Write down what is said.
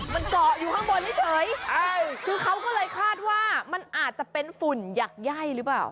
มันเกาะอยู่ข้างบนเฉยคือเขาก็เลยคาดว่ามันอาจจะเป็นฝุ่นหยักย่ายหรือเปล่า